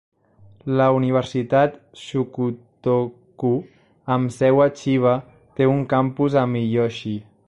La Universitat Shukutoku, amb seu a Chiba, té un campus a Miyoshi.